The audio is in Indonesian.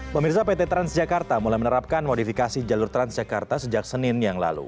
pemirsa pt transjakarta mulai menerapkan modifikasi jalur transjakarta sejak senin yang lalu